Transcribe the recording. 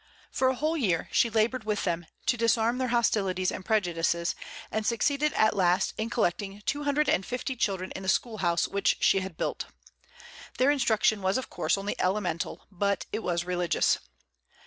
For a whole year she labored with them to disarm their hostilities and prejudices, and succeeded at last in collecting two hundred and fifty children in the schoolhouse which she had built. Their instruction was of course only elemental, but it was religious.